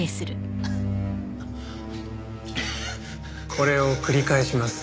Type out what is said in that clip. これを繰り返します。